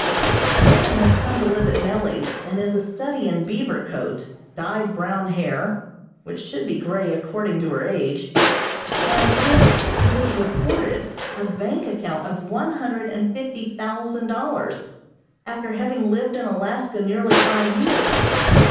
A woman has come to live at Mellie's, and is a study in beaver coat, dyed brown hair (which should be grey, according to her age), and with, it is reported, a bank account of one hundred and fifty thousand dollars, after having lived in Alaska nearly five years.